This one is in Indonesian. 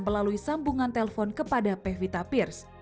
melalui sambungan telpon kepada pevita pirs